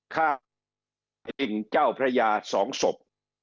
ข้าวรายจริงเจ้าพระยาสองศพ